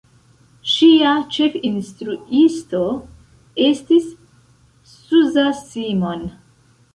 Ŝia ĉefinstruisto estis Zsuzsa Simon.